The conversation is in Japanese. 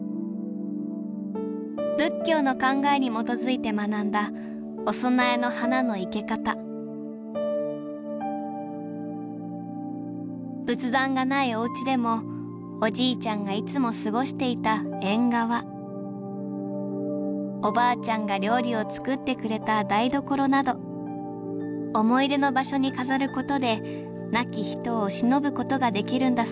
仏教の考えに基づいて学んだお供えの花の生け方仏壇がないおうちでもおじいちゃんがいつも過ごしていた縁側おばあちゃんが料理を作ってくれた台所など思い出の場所に飾ることで亡き人をしのぶことができるんだそうです。